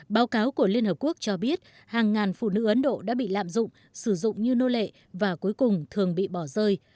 báo cáo của liên hợp quốc cho biết hàng ngàn phụ nữ ấn độ đã bị lạm dụng sử dụng như nô lệ và cuối cùng thường bị bỏ rơi